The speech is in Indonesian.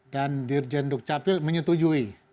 dan dirjen dukcapil menyetujui